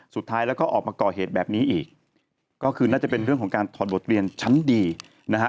สุดท้ายแล้วก็ออกมาก่อเหตุแบบนี้อีกก็คือน่าจะเป็นเรื่องของการถอดบทเรียนชั้นดีนะฮะ